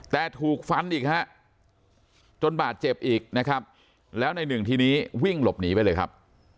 แต่ถูกฟันอีกฮะจนบาดเจ็บอีกนะครับแล้วในหนึ่งทีนี้วิ่งหลบหนีไปเลยครับ